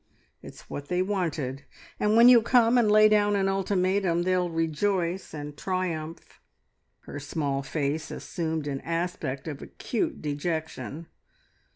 It's what they wanted, and when you come and lay down an ultimatum, they'll rejoice and triumph." Her small face assumed an aspect of acute dejection.